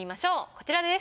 こちらです。